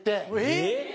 えっ！